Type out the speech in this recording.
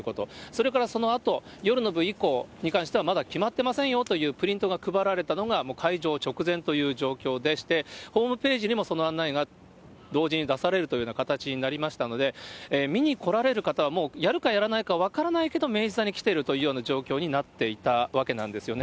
それからそのあと、夜の部以降に関しては、まだ決まってませんよというプリントが配られたのがもう開場直前という状況でして、ホームページにもその案内が同時に出されるというような形になりましたので、見に来られる方は、もうやるかやらないか分からないけど明治座に来てるというような状況になっていたわけなんですよね。